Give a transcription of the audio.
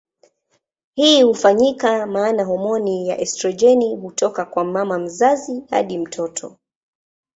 Hii hufanyika maana homoni ya estrojeni hutoka kwa mama mzazi hadi kwa mtoto.